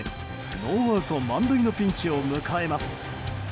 ノーアウト満塁のピンチを迎えます。